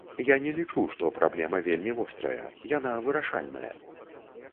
Я не лічу, што праблема вельмі вострая, яна вырашальная.